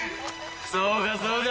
そうかそうか。